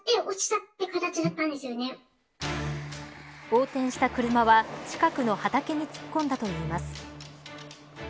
横転した車は近くの畑に突っ込んだといいます。